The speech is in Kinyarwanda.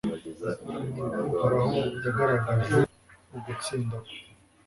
uhoraho yagaragaje ugutsinda kwe